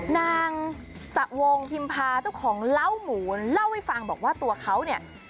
นางสะวงพิมพาเจ้าของเล้าหมูเล่าให้ฟังบอกว่าตัวเขาเนี่ย